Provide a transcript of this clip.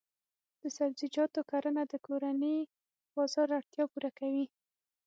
د سبزیجاتو کرنه د کورني بازار اړتیا پوره کوي.